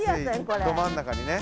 ど真ん中にね。